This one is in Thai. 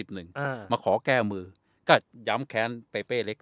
๒๐๓๐หนึ่งมาขอแก้มือก็ย้ำแขนเป๊ะเต้เล็ก